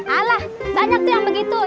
alah banyak tuh yang begitu